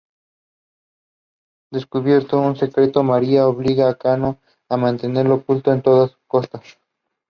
His remains rest in the National Pantheon of the Dominican Republic in Santo Domingo.